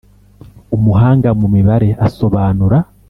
Umuhanga mu mibare asobanura